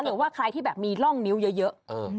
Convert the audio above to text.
หรือว่าใครที่แบบมีร่องนิ้วเยอะ